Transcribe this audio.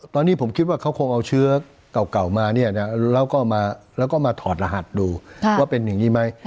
ตอนนี้ผมคิดว่าเขาคงเอาเชื้อเก่ามาเนี่ยนะแล้วก็มาถอดรหัสดูว่าเป็นอย่างนี้ไหม